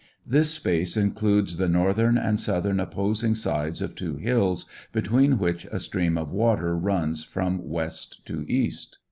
This space includes the northern and southern op posing sides of two hills, between which a stream of water runs from west to east.